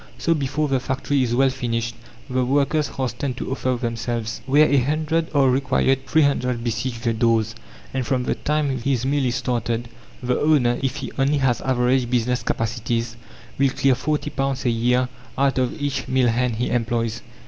So, before the factory is well finished, the workers hasten to offer themselves. Where a hundred are required three hundred besiege the doors, and from the time his mill is started, the owner, if he only has average business capacities, will clear £40 a year out of each mill hand he employs.